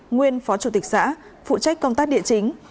nguyên phó chủ tịch xã phụ trách công tác địa chính